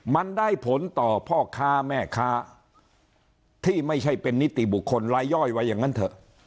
มันได้ผลต่อพ่อค้าแม่ค้าที่ไม่ใช่เป็นนิติบุคคลรายย่อยว่าอย่างนั้นเถอะ